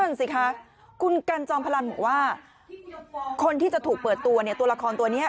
สิคะคุณกันจอมพลังบอกว่าคนที่จะถูกเปิดตัวเนี่ยตัวละครตัวนี้